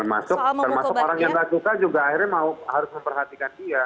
termasuk orang yang gak suka juga akhirnya harus memperhatikan dia